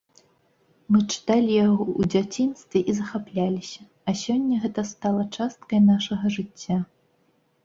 Мы чыталі яго ў дзяцінстве і захапляліся, а сёння гэта стала часткай нашага жыцця.